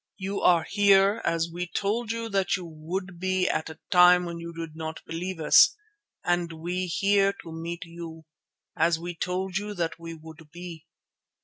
You are here as we told you that you would be at a time when you did not believe us, and we here to meet you, as we told you that we would be.